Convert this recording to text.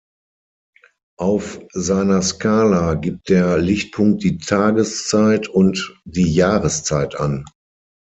Auf seiner Skala gibt der Lichtpunkt die Tageszeit und die Jahreszeit an.